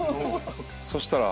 そしたら。